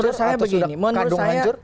menurut saya begini